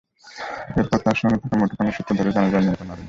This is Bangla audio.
এরপর তাঁর সঙ্গে থাকা মুঠোফোনের সূত্র ধরে জানা যায়, নিহত নারীর নাম।